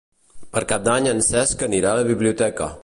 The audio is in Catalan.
Per Cap d'Any en Cesc anirà a la biblioteca.